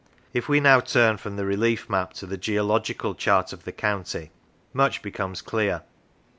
If now we turn from the relief map to the geological chart of the county, much becomes clear.